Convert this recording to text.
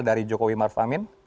dari jokowi marfamin